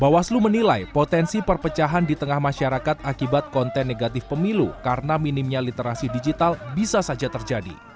bawaslu menilai potensi perpecahan di tengah masyarakat akibat konten negatif pemilu karena minimnya literasi digital bisa saja terjadi